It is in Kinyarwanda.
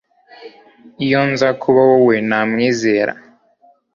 iyo nza kuba wowe, namwizera